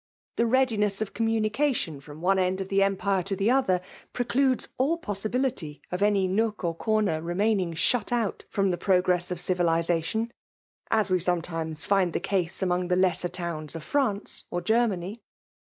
The readiness of communication from one end of th6 empire > t6 the other, precludes all possibility of any ifdolcor comer remaining shut out from the progress of civilization; as we sometimes find the ease among the lesser towns of Francfe or. Germany.